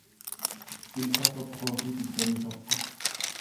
dhibba tokkoo fi digdamii tokko